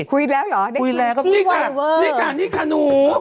คุยแล้วเหรอนี่ค่ะนี่ค่ะหนู